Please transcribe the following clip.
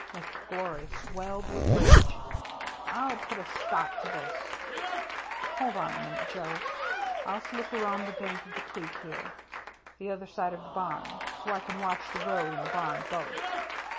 McGlory swelled with rage. "I'll put a stop to this!" " Hold on a minute, Joe. I'll slip around the bank of the creek here, the other side of VAN DEELEN'S BRIDGE 317 the barn, so I can watch the road and the barn both."